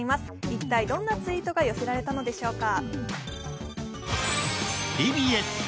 一体どんなツイートが寄せられたのでしょうか。